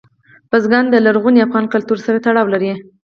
بزګان د لرغوني افغان کلتور سره تړاو لري.